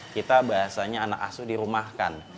kita bahasanya anak asuh dirumahkan